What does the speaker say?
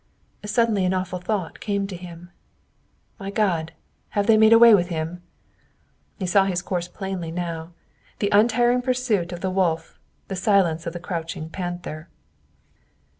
Suddenly an awful thought came to him. "My God! Have they made away with him?" He saw his course plainly now. The untiring pursuit of the wolf, the silence of the crouching panther!